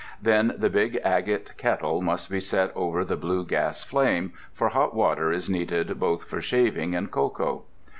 Then the big agate kettle must be set over the blue gas flame, for hot water is needed both for shaving and cocoa.